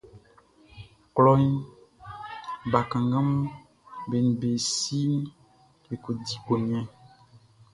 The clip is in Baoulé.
Klɔ bakannganʼm be nin be siʼm be kɔ di ko njɛn.